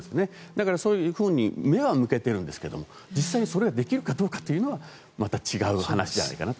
だからそういうふうに目は向けているんですが実際にそれができるかどうかはまた違う話じゃないかなと。